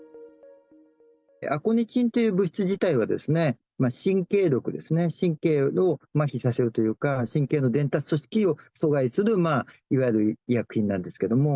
アコニチンという物質自体は、神経毒ですね、神経をまひさせるというか、神経の伝達組織を阻害するいわゆる医薬品なんですけれども。